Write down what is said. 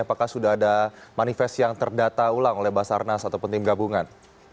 apakah sudah ada manifest yang terdata ulang oleh basarnas ataupun tim gabungan